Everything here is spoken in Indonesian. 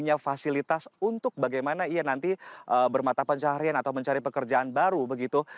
punya fasilitas untuk bagaimana ia nanti bermata pencaharian atau mencari pekerjaan baru begitu